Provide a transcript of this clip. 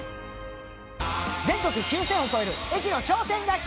全国９０００を超える駅の頂点が決まる！